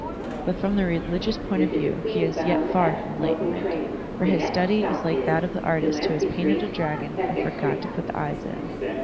But from the religious point of view he is yet far from enlightenment, for his study is like that of the artist who has painted a dragon and forgot to put the eyes in.